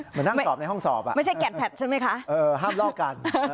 เหมือนนั่งสอบในห้องสอบห้ามลอกกัน